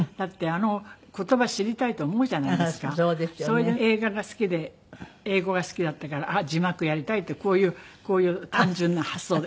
それで映画が好きで英語が好きだったからあっ字幕やりたいってこういう単純な発想です。